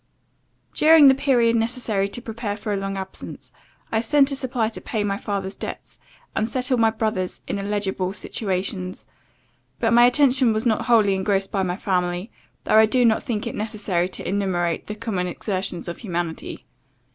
"During the period necessary to prepare for a long absence, I sent a supply to pay my father's debts, and settled my brothers in eligible situations; but my attention was not wholly engrossed by my family, though I do not think it necessary to enumerate the common exertions of humanity.